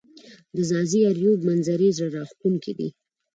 د ځاځي اریوب منظزرې زړه راښکونکې دي